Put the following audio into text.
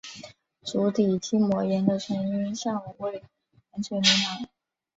足底筋膜炎的成因尚未完全明朗。